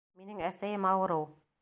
Минең әсәйем ауырыу!